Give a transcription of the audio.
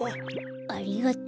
ありがとう。